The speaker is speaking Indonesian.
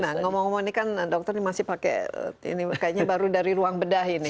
nah ngomong ngomong ini kan dokter ini masih pakai ini kayaknya baru dari ruang bedah ini